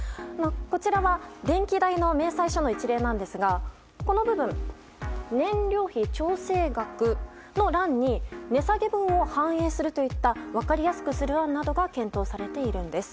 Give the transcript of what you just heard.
こちらは電気代の明細書の一例なんですがこの部分、燃料費調整額の欄に値下げ分を反映するといった分かりやすくする案などが検討されているんです。